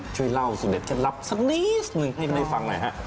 ช่วยเล่าสูตรเด็ดเคล็ดลับสักนิดนึงให้ได้ฟังหน่อยฮะ